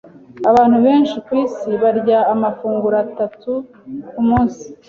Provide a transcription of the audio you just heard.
Abantu benshi kwisi barya amafunguro atatu kumunsi.